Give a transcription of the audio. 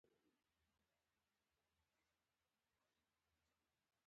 د امریکا اداره د ترافیک حجم ته په کتو عرض ټاکي